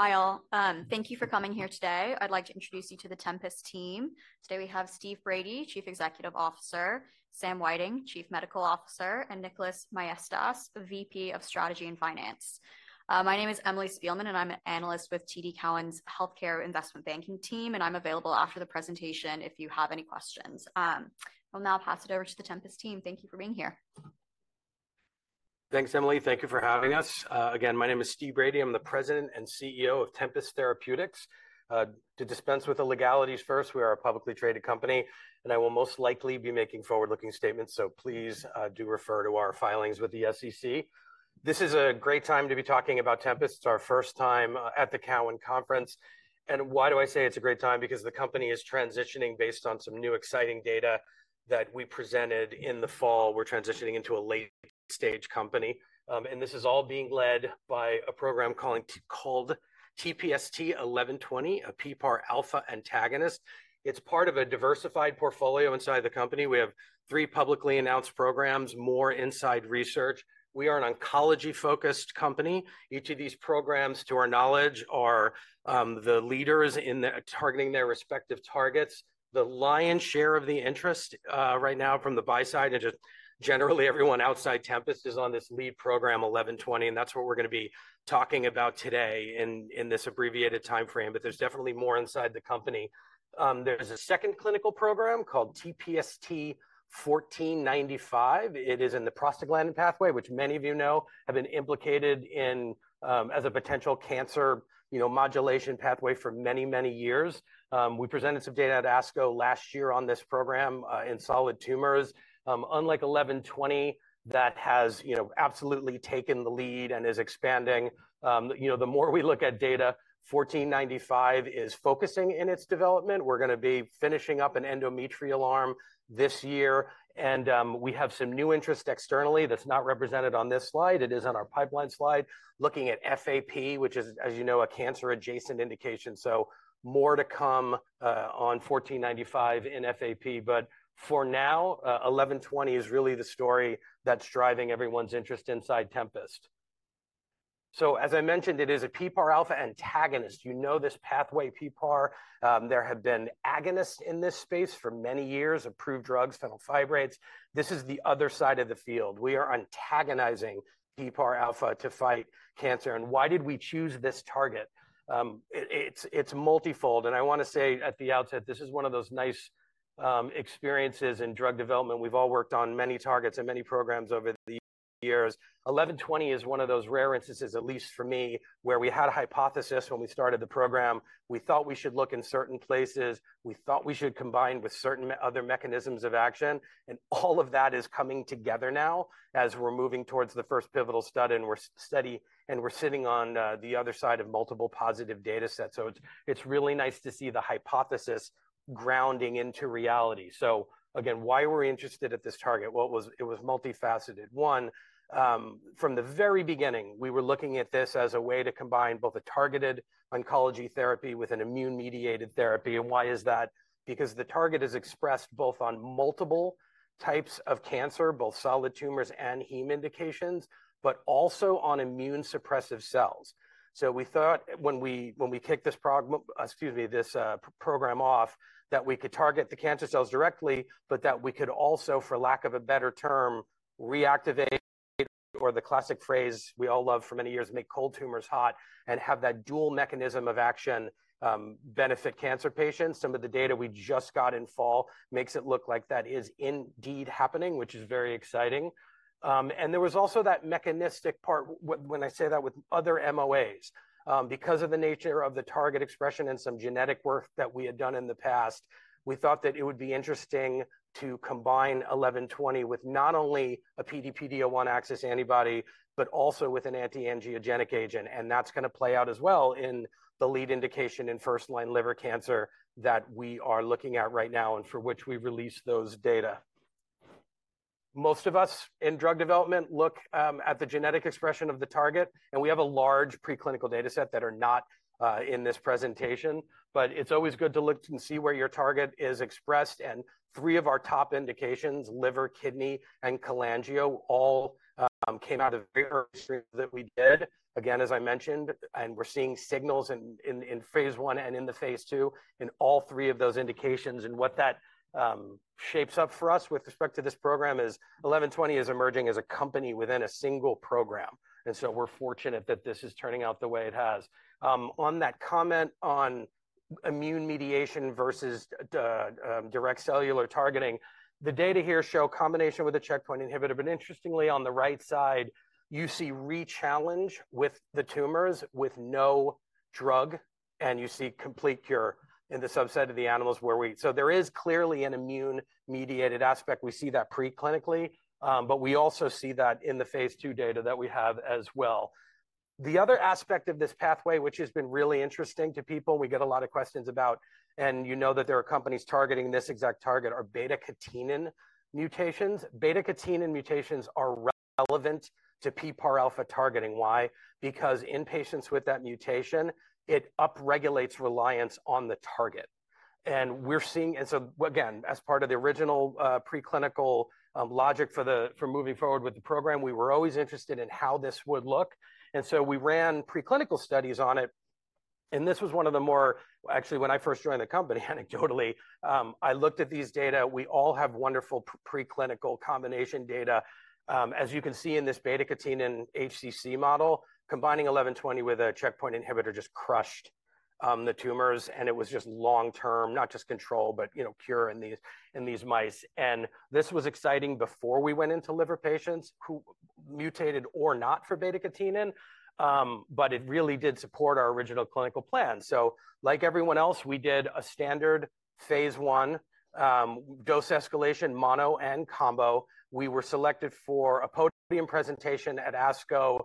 Hi all, thank you for coming here today. I'd like to introduce you to the Tempest team. Today we have Steve Brady, Chief Executive Officer, Sam Whiting, Chief Medical Officer, and Nicolas Maestas, VP of Strategy and Finance. My name is Emily Spielman, and I'm an analyst with TD Cowen's Healthcare Investment Banking team, and I'm available after the presentation if you have any questions. I'll now pass it over to the Tempest team. Thank you for being here. Thanks, Emily. Thank you for having us. Again, my name is Steve Brady. I'm the President and CEO of Tempest Therapeutics. To dispense with the legalities first, we are a publicly traded company, and I will most likely be making forward-looking statements, so please, do refer to our filings with the SEC. This is a great time to be talking about Tempest. It's our first time at the Cowen Conference. And why do I say it's a great time? Because the company is transitioning based on some new exciting data that we presented in the fall. We're transitioning into a late-stage company, and this is all being led by a program called TPST-1120, a PPAR Alpha antagonist. It's part of a diversified portfolio inside the company. We have three publicly announced programs, more inside research. We are an oncology-focused company. Each of these programs, to our knowledge, are the leaders in the targeting their respective targets. The lion's share of the interest, right now from the buy side, and just generally everyone outside Tempest, is on this lead program TPST-1120, and that's what we're going to be talking about today in this abbreviated timeframe, but there's definitely more inside the company. There's a second clinical program called TPST-1495. It is in the prostaglandin pathway, which many of you know have been implicated in, as a potential cancer, you know, modulation pathway for many, many years. We presented some data at ASCO last year on this program, in solid tumors. Unlike TPST-1120, that has, you know, absolutely taken the lead and is expanding. You know, the more we look at data, TPST-1495 is focusing in its development. We're going to be finishing up an endometrial arm this year, and we have some new interest externally that's not represented on this slide. It is on our pipeline slide, looking at FAP, which is, as you know, a cancer-adjacent indication. So more to come on 1495 in FAP, but for now, 1120 is really the story that's driving everyone's interest inside Tempest. So as I mentioned, it is a PPAR Alpha antagonist. You know this pathway, PPAR. There have been agonists in this space for many years: approved drugs, fenofibrates. This is the other side of the field. We are antagonizing PPAR Alpha to fight cancer. And why did we choose this target? It's multifold, and I want to say at the outset, this is one of those nice experiences in drug development. We've all worked on many targets and many programs over the years. TPST-1120 is one of those rare instances, at least for me, where we had a hypothesis when we started the program. We thought we should look in certain places. We thought we should combine with certain other mechanisms of action. And all of that is coming together now as we're moving towards the first pivotal study, and we're steady, and we're sitting on the other side of multiple positive data sets. So it's really nice to see the hypothesis grounding into reality. So again, why were we interested in this target? Well, it was multifaceted. One, from the very beginning, we were looking at this as a way to combine both a targeted oncology therapy with an immune-mediated therapy. And why is that? Because the target is expressed both on multiple types of cancer, both solid tumors and heme indications, but also on immune-suppressive cells. So we thought when we kicked this program, excuse me, this program, off, that we could target the cancer cells directly, but that we could also, for lack of a better term, reactivate or the classic phrase we all love for many years, make cold tumors hot, and have that dual mechanism of action, benefit cancer patients. Some of the data we just got in fall makes it look like that is indeed happening, which is very exciting. And there was also that mechanistic part. When I say that with other MOAs, because of the nature of the target expression and some genetic work that we had done in the past, we thought that it would be interesting to combine 1120 with not only a PD-1 axis antibody, but also with an antiangiogenic agent. That's going to play out as well in the lead indication in first-line liver cancer that we are looking at right now and for which we released those data. Most of us in drug development look at the genetic expression of the target, and we have a large preclinical data set that are not in this presentation, but it's always good to look and see where your target is expressed. Three of our top indications, liver, kidney, and cholangio, all came out of very early screens that we did. Again, as I mentioned, and we're seeing signals in phase one and in the phase two in all three of those indications. What that shapes up for us with respect to this program is 1120 is emerging as a company within a single program. And so we're fortunate that this is turning out the way it has. On that comment on immune mediation versus direct cellular targeting, the data here show a combination with a checkpoint inhibitor. But interestingly, on the right side, you see re-challenge with the tumors with no drug, and you see complete cure in the subset of the animals where we so there is clearly an immune-mediated aspect. We see that preclinically, but we also see that in the phase two data that we have as well. The other aspect of this pathway, which has been really interesting to people, we get a lot of questions about, and you know that there are companies targeting this exact target, are beta-catenin mutations. Beta-catenin mutations are relevant to PPAR Alpha targeting. Why? Because in patients with that mutation, it upregulates reliance on the target. And so again, as part of the original preclinical logic for moving forward with the program, we were always interested in how this would look. And so we ran preclinical studies on it. And this was one of the more actually, when I first joined the company, anecdotally, I looked at these data. We all have wonderful preclinical combination data, as you can see in this beta-catenin HCC model, combining 1120 with a checkpoint inhibitor just crushed the tumors, and it was just long-term, not just control, but, you know, cure in these mice. And this was exciting before we went into liver patients who mutated or not for beta-catenin, but it really did support our original clinical plan. So like everyone else, we did a standard phase 1 dose escalation, mono and combo. We were selected for a podium presentation at ASCO,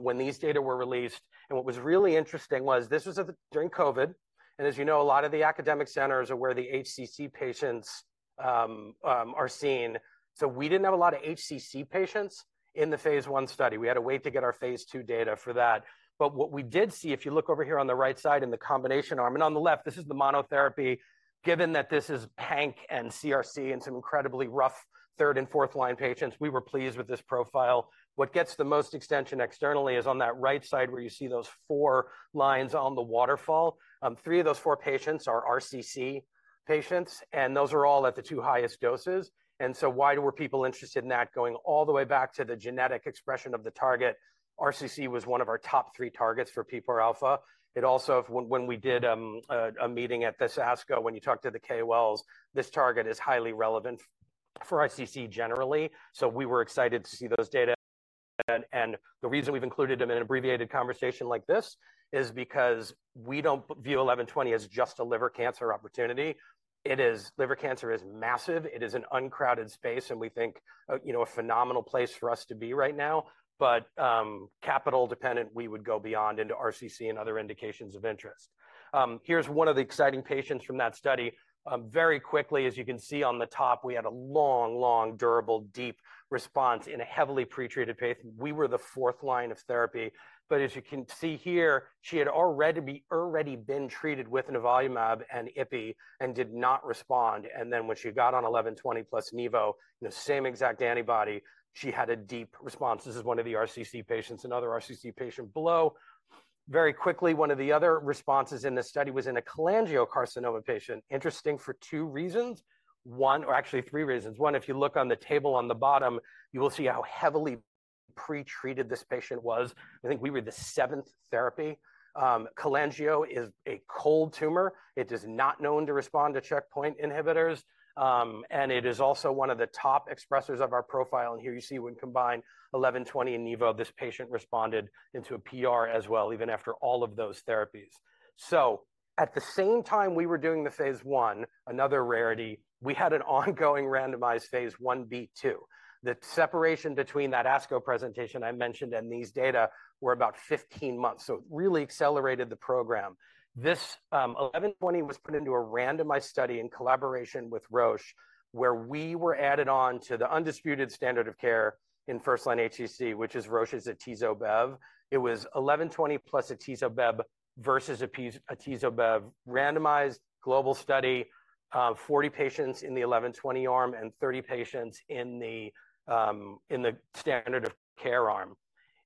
when these data were released. And what was really interesting was this was at the during COVID. And as you know, a lot of the academic centers are where the HCC patients are seen. So we didn't have a lot of HCC patients in the phase 1 study. We had to wait to get our phase 2 data for that. But what we did see, if you look over here on the right side in the combination arm and on the left, this is the monotherapy. Given that this is Panc and CRC and some incredibly rough third and fourth line patients, we were pleased with this profile. What gets the most extension externally is on that right side where you see those four lines on the waterfall. Three of those 4 patients are RCC patients, and those are all at the 2 highest doses. And so why were people interested in that going all the way back to the genetic expression of the target? RCC was 1 of our top 3 targets for PPAR Alpha. It also when we did, a meeting at this ASCO, when you talk to the KOLs, this target is highly relevant for RCC generally. So we were excited to see those data. And the reason we've included them in an abbreviated conversation like this is because we don't view 1120 as just a liver cancer opportunity. It is. Liver cancer is massive. It is an uncrowded space, and we think, you know, a phenomenal place for us to be right now. But, capital dependent, we would go beyond into RCC and other indications of interest. Here's one of the exciting patients from that study. Very quickly, as you can see on the top, we had a long, long, durable, deep response in a heavily pretreated patient. We were the fourth line of therapy. But as you can see here, she had already been treated with nivolumab and Ipi and did not respond. And then when she got on 1120 plus Nivo, the same exact antibody, she had a deep response. This is one of the RCC patients, another RCC patient below. Very quickly, one of the other responses in this study was in a cholangiocarcinoma patient. Interesting for two reasons. One, or actually three reasons. One, if you look on the table on the bottom, you will see how heavily pretreated this patient was. I think we were the seventh therapy. Cholangio is a cold tumor. It is not known to respond to checkpoint inhibitors. It is also one of the top expressors of our profile. Here you see when combined 1120 and Nivo, this patient responded into a PR as well, even after all of those therapies. So at the same time we were doing the phase 1, another rarity, we had an ongoing randomized phase 1b/2. The separation between that ASCO presentation I mentioned and these data were about 15 months, so it really accelerated the program. This, 1120, was put into a randomized study in collaboration with Roche where we were added on to the undisputed standard of care in first-line HCC, which is Roche's Atezo/Bev. It was 1120 plus Atezo/Bev versus Atezo/Bev randomized global study, 40 patients in the 1120 arm and 30 patients in the standard of care arm.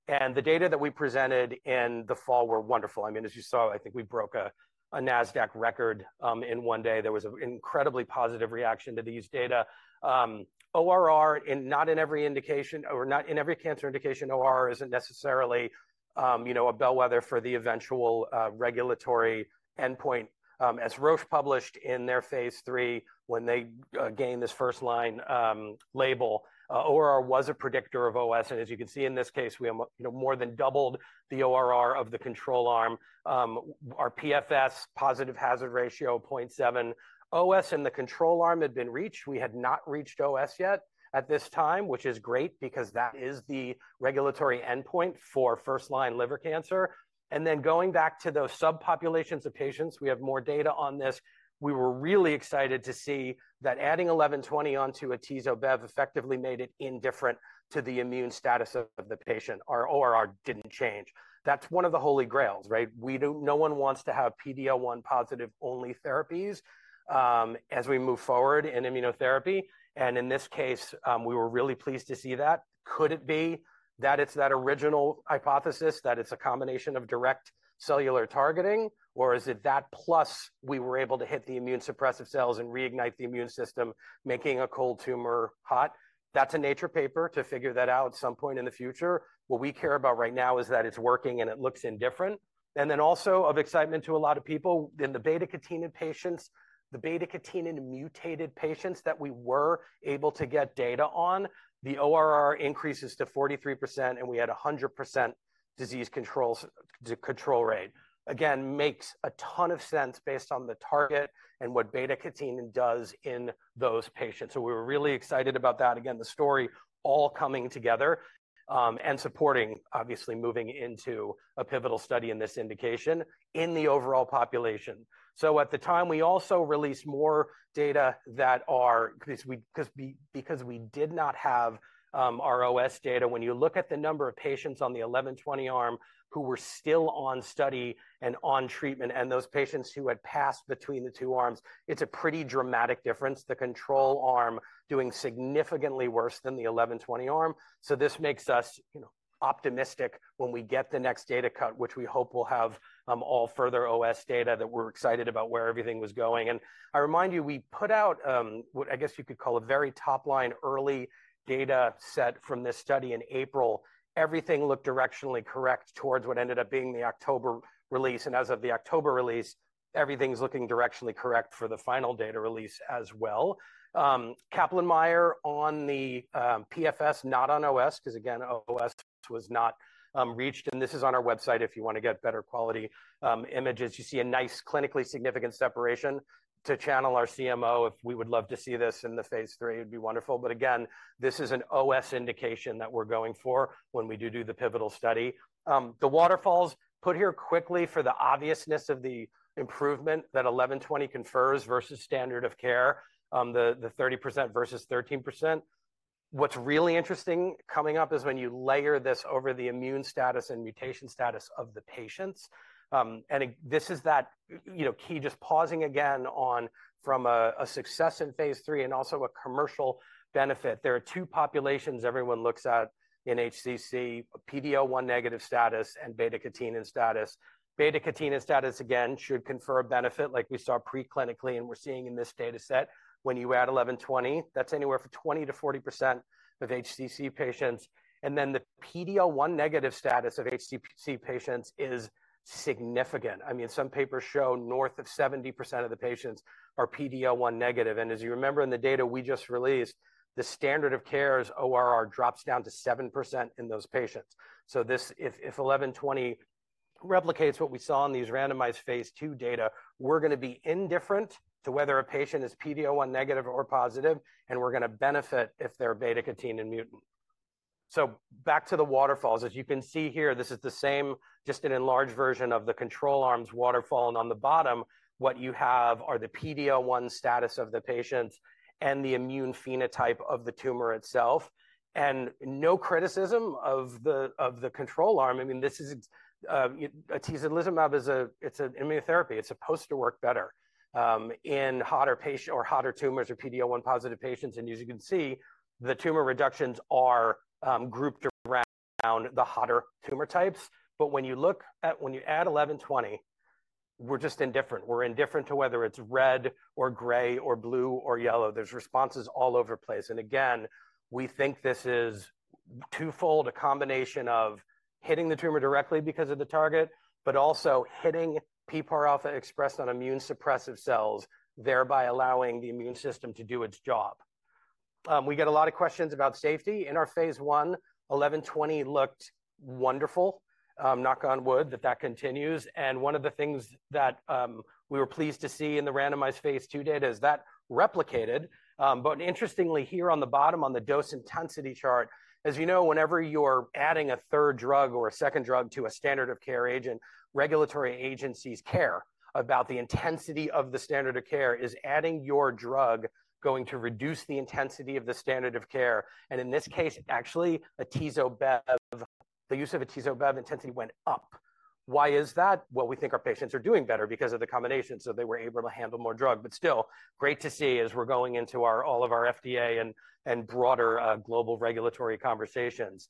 The data that we presented in the fall were wonderful. I mean, as you saw, I think we broke a Nasdaq record in 1 day. There was an incredibly positive reaction to these data. ORR, not in every indication or not in every cancer indication, ORR isn't necessarily, you know, a bellwether for the eventual regulatory endpoint. As Roche published in their phase 3 when they gained this first-line label, ORR was a predictor of OS. And as you can see in this case, we, you know, more than doubled the ORR of the control arm. Our PFS positive hazard ratio 0.7. OS in the control arm had been reached. We had not reached OS yet at this time, which is great because that is the regulatory endpoint for first-line liver cancer. And then going back to those subpopulations of patients, we have more data on this. We were really excited to see that adding 1120 onto Atezo/Bev effectively made it indifferent to the immune status of the patient. Our ORR didn't change. That's one of the holy grails, right? We don't; no one wants to have PD-L1 positive only therapies, as we move forward in immunotherapy. And in this case, we were really pleased to see that. Could it be that it's that original hypothesis that it's a combination of direct cellular targeting, or is it that plus we were able to hit the immune suppressive cells and reignite the immune system, making a cold tumor hot? That's a Nature paper to figure that out at some point in the future. What we care about right now is that it's working and it looks indifferent. And then also of excitement to a lot of people in the beta-catenin patients, the beta-catenin mutated patients that we were able to get data on, the ORR increases to 43% and we had 100% disease control rate. Again, makes a ton of sense based on the target and what beta-catenin does in those patients. So we were really excited about that. Again, the story all coming together, and supporting, obviously, moving into a pivotal study in this indication in the overall population. So at the time, we also released more data that are because we did not have our OS data. When you look at the number of patients on the 1120 arm who were still on study and on treatment, and those patients who had passed between the two arms, it's a pretty dramatic difference, the control arm doing significantly worse than the 1120 arm. So this makes us, you know, optimistic when we get the next data cut, which we hope we'll have, all further OS data that we're excited about where everything was going. And I remind you, we put out, what I guess you could call a very top-line early data set from this study in April. Everything looked directionally correct towards what ended up being the October release. And as of the October release, everything's looking directionally correct for the final data release as well. Kaplan-Meier on the PFS, not on OS, because again, OS was not reached. This is on our website if you want to get better quality, images. You see a nice clinically significant separation. To channel our CMO, if we would love to see this in the phase 3, it'd be wonderful. But again, this is an OS indication that we're going for when we do the pivotal study. The waterfalls put here quickly for the obviousness of the improvement that 1120 confers versus standard of care, the 30% versus 13%. What's really interesting coming up is when you layer this over the immune status and mutation status of the patients. This is that, you know, key just pausing again on from a success in phase 3 and also a commercial benefit. There are two populations everyone looks at in HCC, PD-L1 negative status and beta-catenin status. Beta-catenin status, again, should confer a benefit like we saw preclinically and we're seeing in this data set. When you add 1120, that's anywhere from 20%-40% of HCC patients. And then the PD-L1 negative status of HCC patients is significant. I mean, some papers show north of 70% of the patients are PD-L1 negative. And as you remember in the data we just released, the standard of care's ORR drops down to 7% in those patients. So this, if 1120 replicates what we saw in these randomized phase 2 data, we're going to be indifferent to whether a patient is PD-L1 negative or positive, and we're going to benefit if they're beta-catenin mutant. So back to the waterfalls. As you can see here, this is the same, just an enlarged version of the control arm's waterfall. On the bottom, what you have are the PD-L1 status of the patient and the immune phenotype of the tumor itself. No criticism of the control arm. I mean, this is, atezolizumab is a it's an immunotherapy. It's supposed to work better, in hotter patients or hotter tumors or PD-L1 positive patients. As you can see, the tumor reductions are, grouped around the hotter tumor types. But when you look at when you add 1120, we're just indifferent. We're indifferent to whether it's red or gray or blue or yellow. There's responses all over the place. Again, we think this is twofold, a combination of hitting the tumor directly because of the target, but also hitting PPAR Alpha expressed on immune suppressive cells, thereby allowing the immune system to do its job. We get a lot of questions about safety in our phase 1. TPST-1120 looked wonderful. Knock on wood that that continues. One of the things that, we were pleased to see in the randomized phase two data is that replicated. Interestingly here on the bottom on the dose intensity chart, as you know, whenever you're adding a third drug or a second drug to a standard of care agent, regulatory agencies care about the intensity of the standard of care. Is adding your drug going to reduce the intensity of the standard of care? In this case, actually, Atezo/Bev, the use of Atezo/Bev intensity went up. Why is that? Well, we think our patients are doing better because of the combination. They were able to handle more drug. Still, great to see as we're going into all of our FDA and broader, global regulatory conversations.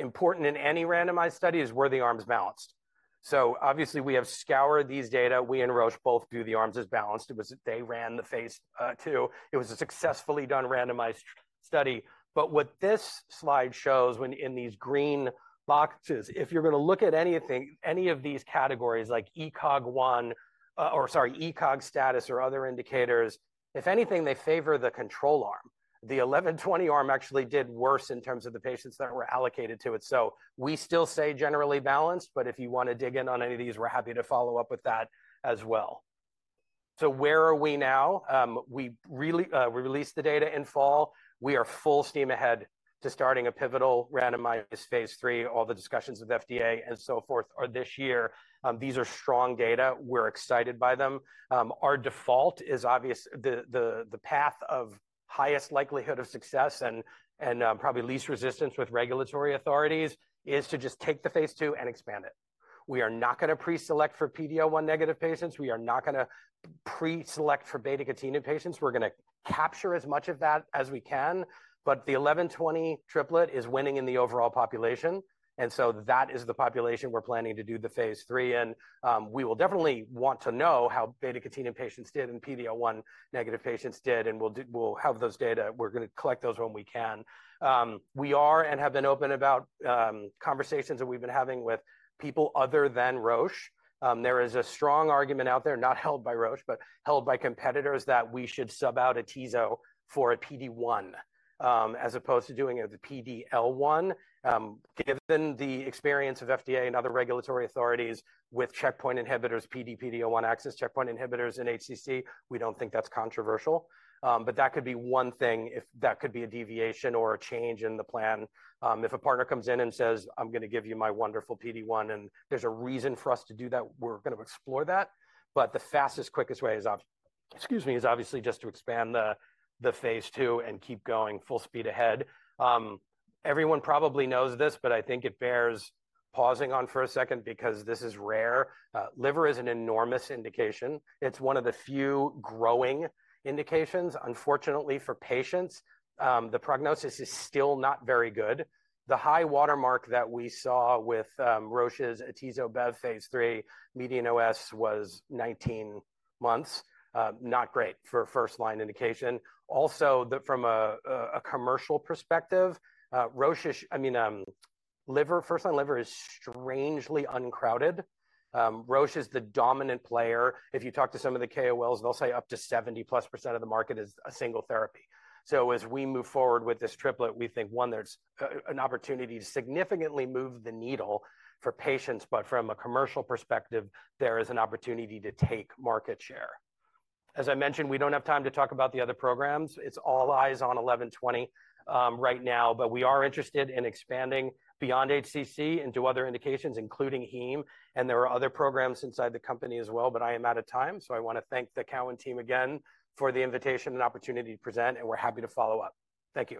Important in any randomized study is where the arms balanced. So obviously we have scoured these data. We and Roche both do the arms as balanced. It was they ran the phase 2. It was a successfully done randomized study. But what this slide shows when in these green boxes, if you're going to look at anything, any of these categories like ECOG 1, or sorry, ECOG status or other indicators, if anything, they favor the control arm. The 1120 arm actually did worse in terms of the patients that were allocated to it. So we still say generally balanced, but if you want to dig in on any of these, we're happy to follow up with that as well. So where are we now? We really, we released the data in fall. We are full steam ahead to starting a pivotal randomized phase 3. All the discussions with FDA and so forth are this year. These are strong data. We're excited by them. Our default is obvious the path of highest likelihood of success and, probably least resistance with regulatory authorities is to just take the phase two and expand it. We are not going to preselect for PD-1 negative patients. We are not going to preselect for beta-catenin patients. We're going to capture as much of that as we can. But the 1120 triplet is winning in the overall population. And so that is the population we're planning to do the phase three in. We will definitely want to know how beta-catenin patients did and PD-1 negative patients did. And we'll have those data. We're going to collect those when we can. We are and have been open about conversations that we've been having with people other than Roche. There is a strong argument out there, not held by Roche, but held by competitors that we should sub out atezo for a PD-1, as opposed to doing it with a PD-L1. Given the experience of FDA and other regulatory authorities with checkpoint inhibitors, PD-1, PD-L1 checkpoint inhibitors in HCC, we don't think that's controversial. But that could be one thing if that could be a deviation or a change in the plan. If a partner comes in and says, "I'm going to give you my wonderful PD-1," and there's a reason for us to do that, we're going to explore that. But the fastest, quickest way is obviously, excuse me, is obviously just to expand the phase 2 and keep going full speed ahead. Everyone probably knows this, but I think it bears pausing on for a second because this is rare. Liver is an enormous indication. It's one of the few growing indications, unfortunately, for patients. The prognosis is still not very good. The high watermark that we saw with Roche's Atezo/Bev phase III median OS was 19 months. Not great for first-line indication. Also, from a commercial perspective, Roche's, I mean, liver, first-line liver is strangely uncrowded. Roche is the dominant player. If you talk to some of the KOLs, they'll say up to 70%+ of the market is a single therapy. So as we move forward with this triplet, we think, one, there's an opportunity to significantly move the needle for patients, but from a commercial perspective, there is an opportunity to take market share. As I mentioned, we don't have time to talk about the other programs. It's all eyes on 1120, right now, but we are interested in expanding beyond HCC into other indications, including heme. There are other programs inside the company as well, but I am out of time. I want to thank the Cowen team again for the invitation and opportunity to present, and we're happy to follow up. Thank you.